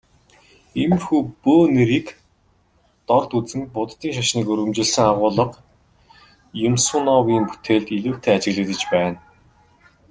Иймэрхүү бөө нэрийг дорд үзэн Буддын шашныг өргөмжилсөн агуулга Юмсуновын бүтээлд илүүтэй ажиглагдаж байна.